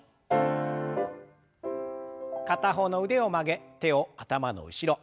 片方の腕を曲げ手を頭の後ろ。